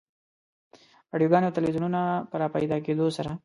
رادیوګانو او تلویزیونونو په راپیدا کېدو سره.